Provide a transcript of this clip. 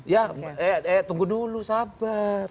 ya tunggu dulu sabar